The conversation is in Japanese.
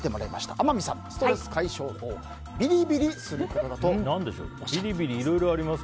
天海さん、ストレス解消法はビリビリすることだとおっしゃっています。